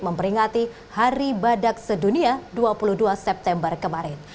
memperingati hari badak sedunia dua puluh dua september kemarin